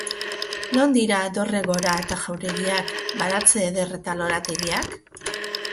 Non dira dorre gora eta jauregiak, baratze eder eta lorategiak?